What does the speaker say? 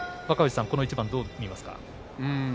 若藤さん、一番をどう見ますか。